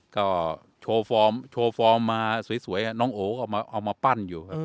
ก็โชคฟอร์มมาสวยน้องโอ้เอามาปั้นอยู่